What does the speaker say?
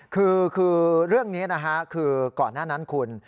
คือเรื่องนี้นะฮะคือก่อนหน้านั้นคุณ